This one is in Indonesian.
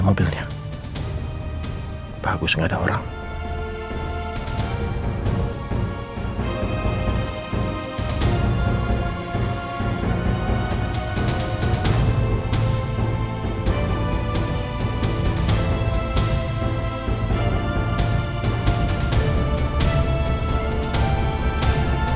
membawa elektrik leros sans seperti ini